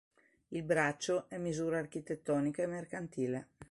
Il braccio è misura architettonica e mercantile.